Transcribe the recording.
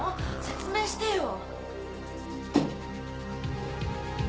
説明してよ！